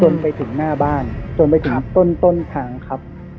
ไปถึงหน้าบ้านจนไปถึงต้นทางครับ